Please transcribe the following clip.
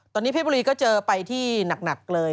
ตอนนี้เพชรบุรีก็เจอไปที่หนักเลย